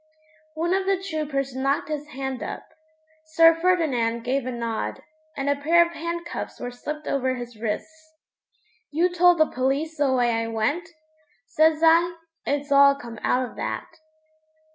One of the troopers knocked his hand up. Sir Ferdinand gave a nod, and a pair of handcuffs were slipped over his wrists. 'You told the police the way I went?' says I. 'It's all come out of that.'